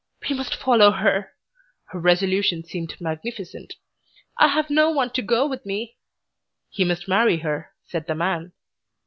"We must follow her." Her resolution seemed magnificent. "I have no one to go with me." "He must marry her," said the man.